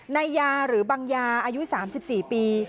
นายยาหรือบังยาอายุ๓๔ปี